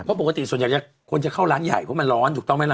เพราะปกติส่วนใหญ่คนจะเข้าร้านใหญ่เพราะมันร้อนถูกต้องไหมล่ะ